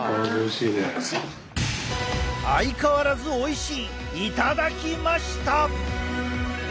「相変わらずおいしい」頂きました！